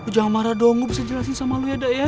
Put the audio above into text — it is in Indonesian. jangan marah dong gue bisa jelasin sama lo ya da ya